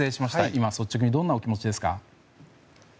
今、率直にどんなお気持ちですか。